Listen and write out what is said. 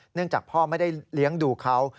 เนื่องจากพ่อไม่ได้เลี้ยงดูเขา